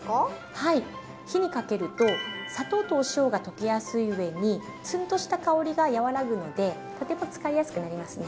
火にかけると砂糖とお塩が溶けやすい上にツンとした香りが和らぐのでとても使いやすくなりますね。